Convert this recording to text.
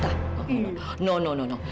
tidak tidak tidak